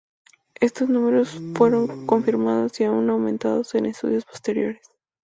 Estos números fueron confirmados y aún aumentados en estudios posteriores.